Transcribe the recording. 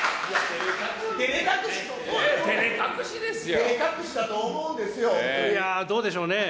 いやぁ、どうでしょうね。